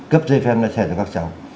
cấp giấy phép lái xe hạng cho các cháu